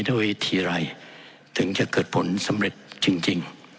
ด้วยวิธีไรถึงจะเกิดผลสำเร็จจริง